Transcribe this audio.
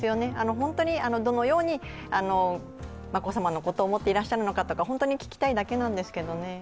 本当にどのように眞子さまのことを思ってらっしゃるのかとか本当に聞きたいだけなんですけどね。